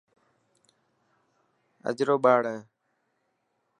اجرو ٻاڙ هي.